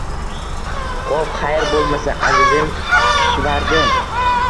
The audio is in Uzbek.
Xoʻp, xayr boʻlmasa, azizim Kishvardi.